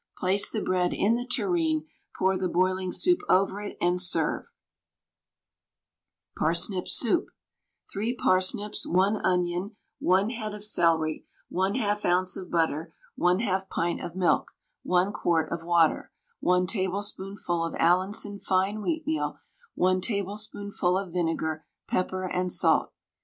Place the bread in the tureen, pour the boiling soup over it, and serve. PARSNIP SOUP. 3 parsnips, 1 onion, 1 head of celery, 1/2 oz. of butter, 1/2 pint of milk, 1 quart of water, 1 tablespoonful of Allinson fine wheatmeal, 1 tablespoonful of vinegar, pepper and salt.